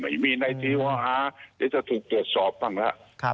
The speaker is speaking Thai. ไม่มีในที่ว่าจะถูกตรวจสอบบ้างแล้ว